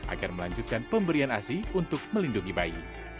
agar melanjutkan pemberian asi untuk melindungi bayi